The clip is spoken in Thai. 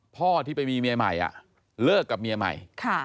พ่อที่ไปมีเมียใหม่เลิกกับเมียใหม่